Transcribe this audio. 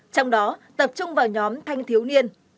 trong đó tập trung vào nhóm thanh thiếu niên